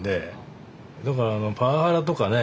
だからパワハラとかね